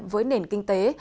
với nền kinh tế